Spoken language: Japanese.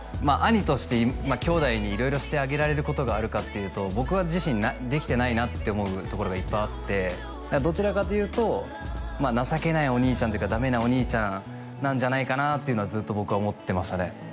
兄として兄弟に色々してあげられることがあるかっていうと僕はできてないなって思うところがいっぱいあってどちらかというと情けないお兄ちゃんというかダメなお兄ちゃんなんじゃないかなっていうのはずっと僕は思ってましたね